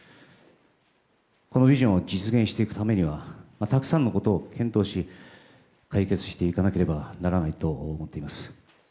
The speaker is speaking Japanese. このビジョンを実現していくためにはたくさんのことを検討し解決していかなければならないと思っています。